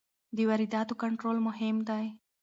د وارداتو کنټرول مهم دی.